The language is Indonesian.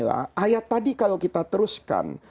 ayat tadi kalau kita teruskan